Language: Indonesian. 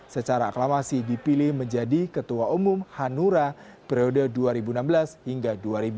secara aklamasi dipilih menjadi ketua umum hanura periode dua ribu enam belas hingga dua ribu sembilan belas